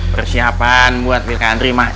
persiapan buat pilihan